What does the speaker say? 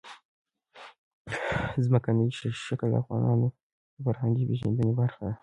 ځمکنی شکل د افغانانو د فرهنګي پیژندنې برخه ده.